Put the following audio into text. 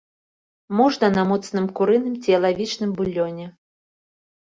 Можна на моцным курыным ці ялавічным булёне.